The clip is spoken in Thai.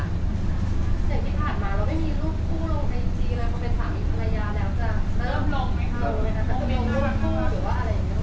เริ่มลงไง